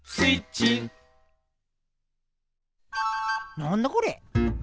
なんだこれ？